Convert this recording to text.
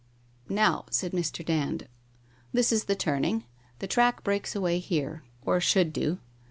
...' Now,' said Mr. Dand, ' this is the turning. The track breaks away here, or should do.